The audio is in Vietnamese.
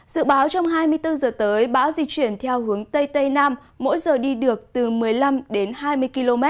dự báo trong hai mươi bốn h tới bão di chuyển theo hướng tây tây nam mỗi giờ đi được từ một mươi năm đến hai mươi km